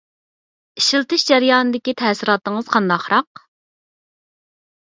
ئىشلىتىش جەريانىدىكى تەسىراتىڭىز قانداقراق؟